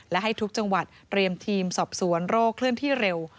และให้ทุกจังหวัดเตรียมทีมสอบสวนโรคเคลื่อนที่เร็ว